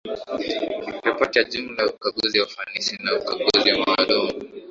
Ripoti ya jumla ya ukaguzi wa ufanisi na ukaguzi maalumu